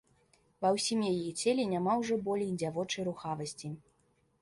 Ва ўсім яе целе няма ўжо болей дзявочай рухавасці.